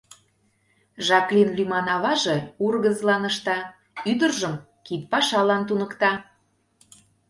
Жаклин лӱман аваже ургызылан ышта, ӱдыржым кид пашалан туныкта.